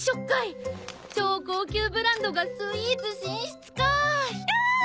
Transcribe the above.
超高級ブランドがスイーツ進出かひゃ！